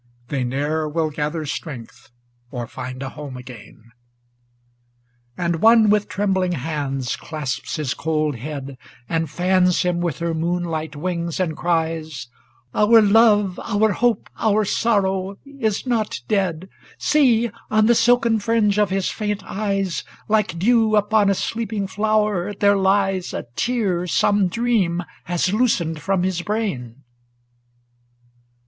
They ne'er will gather strength, or find a home again. 3IO ADONAIS And one with trembling hand clasps his cold head, And fans him with her moonlight wings, and cries, ' Our love, our hope, our sorrow, is not dead; See, on the silken fringe of his faint eyes. Like dew upon a sleeping flower, there lies A tear some Dream has loosened from his brain.'